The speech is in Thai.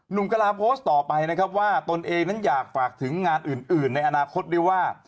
กระลาโพสต์ต่อไปนะครับว่าตนเองนั้นอยากฝากถึงงานอื่นในอนาคตด้วยว่า